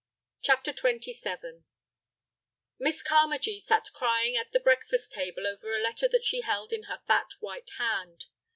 CHAPTER XXVII Miss Carmagee sat crying at the breakfast table over a letter that she held in her fat, white hand.